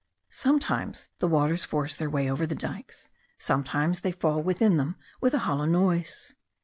Sometimes the waters force their way over the dikes, sometimes they fall within them with a hollow noise.